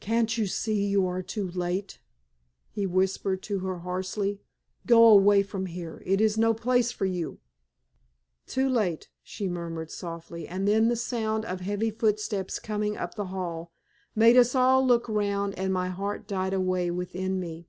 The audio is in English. "Can't you see you are too late?" he whispered to her hoarsely. "Go away from here. It is no place for you." "Too late," she murmured, softly, and then the sound of heavy footsteps coming up the hall made us all look round and my heart died away within me.